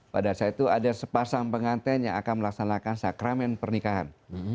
pada saat itu ada sepasang pengantin yang akan melaksanakan sakramen pernikahan